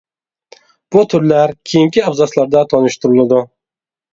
بۇ تۈرلەر كېيىنكى ئابزاسلاردا تونۇشتۇرۇلىدۇ.